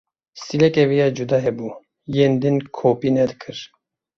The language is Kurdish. Stîleke wî ya cuda hebû, yên din kopî nedikir.